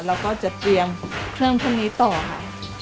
แล้วก็จะเตรียมเครื่องพวกนี้ต่อค่ะ